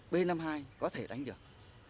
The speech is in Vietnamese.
b năm mươi hai có thể đánh được